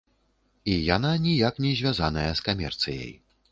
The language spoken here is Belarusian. І яна ніяк не звязаная з камерцыяй.